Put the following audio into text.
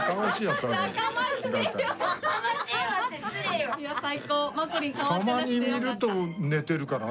たまに見ると寝てるからね。